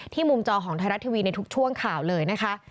มุมจอของไทยรัฐทีวีในทุกช่วงข่าวเลยนะคะ